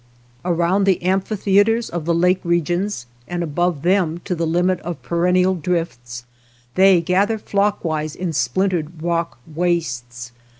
Around the amphitheatres of the lake regions and above them to the limit of perennial drifts they gather flock wise in splintered rock wastes.